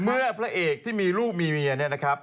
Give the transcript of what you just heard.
พระเอกที่มีลูกมีเมียเนี่ยนะครับ